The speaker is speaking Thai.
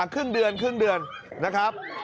ครึ่งเดือนครึ่งเดือนนะครับ